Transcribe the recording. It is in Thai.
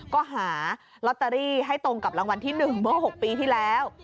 ก็หาลอตเตอรี่ให้ตรงกับรางวัลที่๑เมื่อ๖ปีที่แล้ว